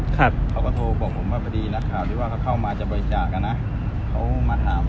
เขาก็โทรบอกผมว่าพอดีนะครับข้าวที่ว่าเขาเข้ามาจบไวจากอะนะ